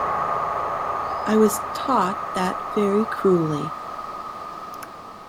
I was taught that very cruelly.